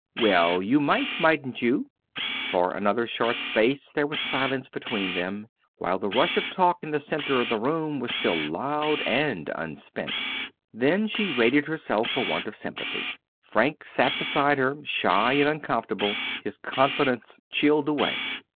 "Well, you might, mightn't you?" For another short space there was silence between them, while the rush of talk in the centre of the room was still loud and unspent. Then she rated herself for want of sympathy. Frank sat beside her shy and uncomfortable, his confidence chilled away.